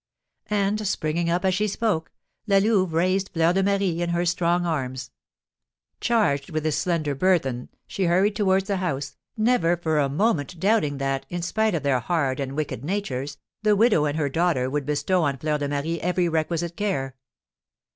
And, springing up as she spoke, La Louve raised Fleur de Marie in her strong arms. Charged with this slender burthen, she hurried towards the house, never for a moment doubting that, spite of their hard and wicked natures, the widow and her daughter would bestow on Fleur de Marie every requisite care.